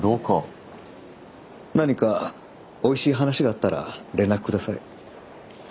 何かおいしい話があったら連絡ください。